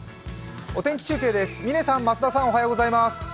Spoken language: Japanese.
お天気中継です。